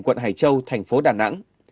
quận hải châu tp đà nẵng